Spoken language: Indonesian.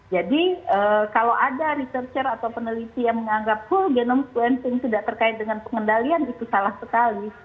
jadi kalau ada researcher atau peneliti yang menganggap full genome sequencing tidak terkait dengan pengendalian itu salah sekali